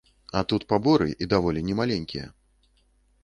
А тут паборы і даволі не маленькія.